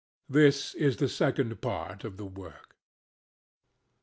This is the second part of the work.